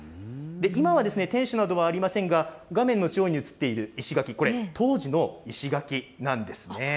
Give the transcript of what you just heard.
今は天守などはありませんが、画面の中央に映っている石垣、これ、当時の石垣なんですね。